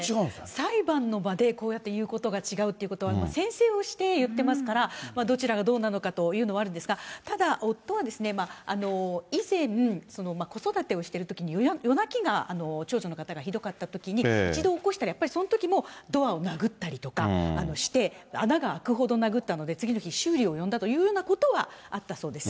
裁判の場でこうやって言うことが違うということは、宣誓をして言ってますから、どちらがどうなのかというのはあるんですが、ただ夫は以前、子育てをしているときに、夜泣きが、長女の方がひどかったときに、一度起こしたら、そのときもやっぱりドアを殴ったりとかして、穴が開くほど殴ったので、次の日、修理を呼んだというようなことはあったそうです。